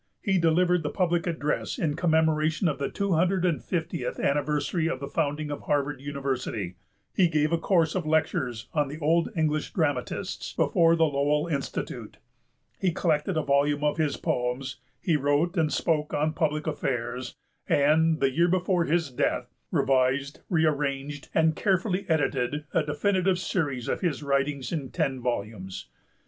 He delivered the public address in commemoration of the 250th anniversary of the founding of Harvard University; he gave a course of lectures on the Old English Dramatists before the Lowell Institute; he collected a volume of his poems; he wrote and spoke on public affairs; and, the year before his death, revised, rearranged, and carefully edited a definitive series of his writings in ten volumes.